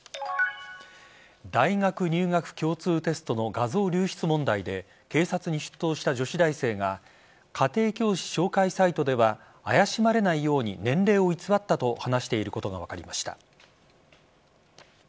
大学入学共通テストの画像流出問題で警察に出頭した女子大生が家庭教師紹介サイトでは怪しまれないように年齢を偽ったと話していることが分かりました。